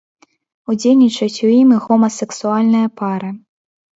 Удзельнічаюць у ім і гомасэксуальныя пары.